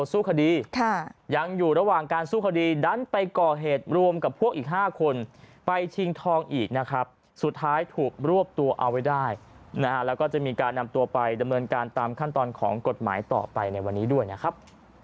สุดท้ายถูกรวบตัวเอาไว้ได้แล้วก็จะมีการนำตัวไปดำเนินการตามขั้นตอนของกฎหมายต่อไปในวันนี้ด้วยนะครับ